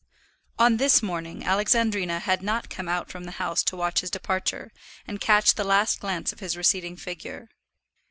On this morning Alexandrina had not come out from the house to watch his departure, and catch the last glance of his receding figure.